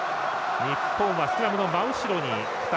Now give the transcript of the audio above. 日本はスクラムの真後ろに２人。